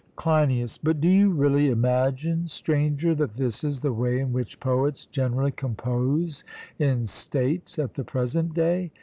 CLEINIAS: But do you really imagine, Stranger, that this is the way in which poets generally compose in States at the present day?